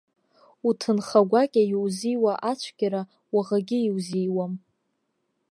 Уҭынха гәакьа иузиуа ацәгьара уаӷагьы иузиуам.